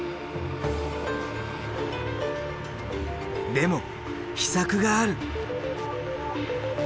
でも秘策がある！